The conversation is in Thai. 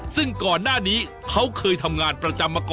ซึ่งก่อนหน้านี้เขาเคยทำงานปัจจัมมาก่อนนะครับ